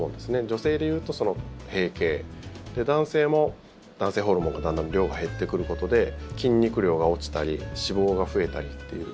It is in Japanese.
女性でいうと閉経男性も、男性ホルモンがだんだん量が減ってくることで筋肉量が落ちたり脂肪が増えたりという。